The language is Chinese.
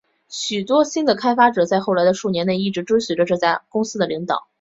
许多新的开发者在后来的数年内一直追随这家公司的领导。